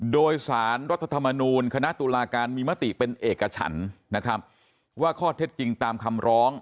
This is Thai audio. โดยสารรัฐธรรมนูลคณะตุลาการมีมติเป็นเอกฉันนะครับว่าข้อเท็จจริงตามคำร้อง